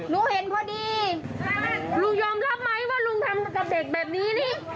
หนูเห็นพอดีลุงยอมรับไหมว่าลุงทำกับเด็กแบบนี้นี่